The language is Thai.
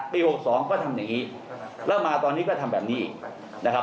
๖๒ก็ทำอย่างนี้แล้วมาตอนนี้ก็ทำแบบนี้นะครับ